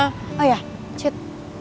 oh ya cet